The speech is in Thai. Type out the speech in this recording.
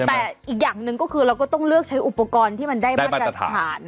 แต่อีกอย่างหนึ่งก็คือเราก็ต้องเลือกใช้อุปกรณ์ที่มันได้มาตรฐาน